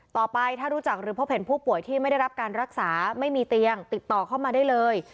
ต่อไปถ้ารู้จักหรือพบเห็นผู้ป่วยที่ไม่ได้รับการรักษาไม่มีเตียงติดต่อเข้ามาได้เลย